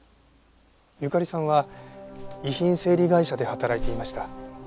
ゆかりさんは遺品整理会社で働いていました。